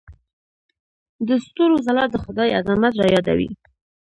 د ستورو ځلا د خدای عظمت رايادوي.